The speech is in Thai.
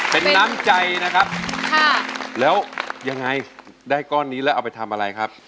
เป็นน้ำใจนะครับค่ะแล้วยังไงได้ก้อนนี้แล้วเอาไปทำอะไรครับ